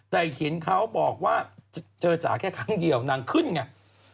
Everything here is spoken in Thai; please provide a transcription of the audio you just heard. แต่เห็นเขาบอกว่าเจอจ๋าแค่ครั้งเดียวนางขึ้นไง